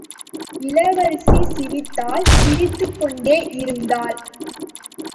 இளவரசி சிரித்தாள் சிரித்துக் கொண்டே இருந்தாள்!